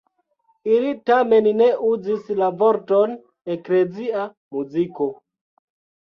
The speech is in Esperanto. Ili tamen ne uzis la vorton „eklezia muziko“.